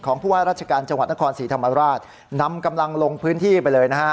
ผู้ว่าราชการจังหวัดนครศรีธรรมราชนำกำลังลงพื้นที่ไปเลยนะฮะ